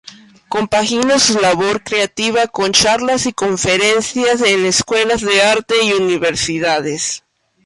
Compagina su labor creativa con charlas y conferencias en escuelas de arte y universidades.